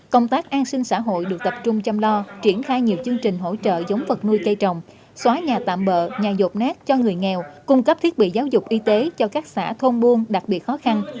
công tác an sinh xã hội được tập trung chăm lo triển khai nhiều chương trình hỗ trợ giống vật nuôi cây trồng xóa nhà tạm bỡ nhà dột nát cho người nghèo cung cấp thiết bị giáo dục y tế cho các xã thôn buôn đặc biệt khó khăn